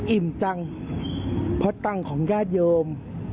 อิ่มจังเพราะตังค์ของญาติโยม